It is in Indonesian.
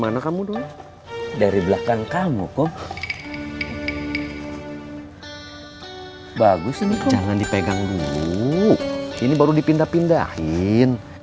nanti kita jalan dejari jalan